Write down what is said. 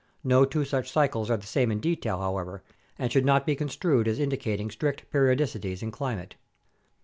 No two such cycles are the same in detail, however, and should not be construed as indicating strict periodicities in climate.